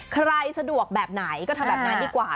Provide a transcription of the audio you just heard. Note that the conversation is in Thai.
สะดวกแบบไหนก็ทำแบบนั้นดีกว่า